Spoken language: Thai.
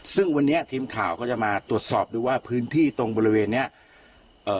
ซึ่งวันนี้ทีมข่าวก็จะมาตรวจสอบดูว่าพื้นที่ตรงบริเวณเนี้ยเอ่อ